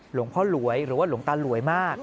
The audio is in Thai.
หลวงพ่อหลวยหรือว่าหลวงตาหลวยมาก